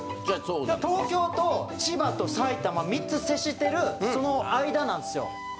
東京と千葉と埼玉３つ接してるその間なんですよ。